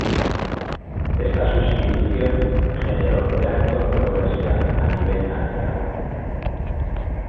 Esta sustitución generó gran controversia a nivel nacional.